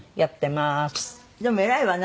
でも偉いわね。